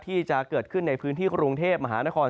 ที่จะเกิดขึ้นในพื้นที่กรุงเทพมหานคร